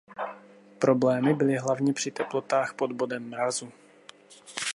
Problémy byly hlavně při teplotách pod bodem mrazu.